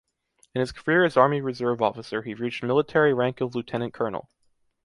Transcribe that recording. In his career as army reserve officer he reached military rank of lieutenant colonel.